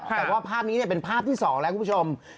แต่ว่าภาพนี้เป็นภาพที่๒แล้วคุณผู้ชม